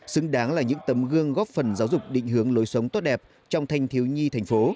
xứng đáng là những tấm gương góp phần giáo dục định hướng lối sống tốt đẹp trong thanh thiếu nhi thành phố